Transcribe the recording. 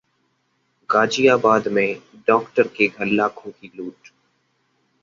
गाजियाबाद में डॉक्टर के घर लाखों की लूट